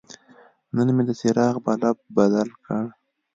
نن مې د څراغ بلب بدل کړ.